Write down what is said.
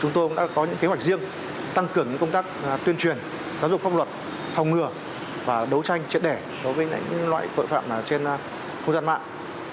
chúng tôi cũng đã có những kế hoạch riêng tăng cường những công tác tuyên truyền giáo dục pháp luật phòng ngừa và đấu tranh triệt đẻ đối với những loại tội phạm trên không gian mạng